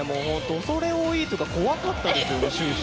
恐れ多いというか怖かったですよね、終始。